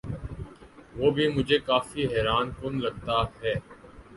وہ بھی مجھے کافی حیران کن لگتا ہے۔